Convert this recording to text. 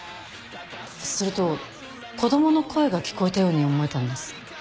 それと子供の声が聞こえたように思えたんです。